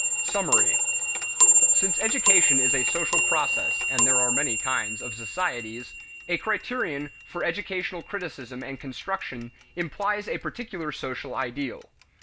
Summary. Since education is a social process, and there are many kinds of societies, a criterion for educational criticism and construction implies a particular social ideal.